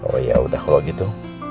oh yaudah kalau gitu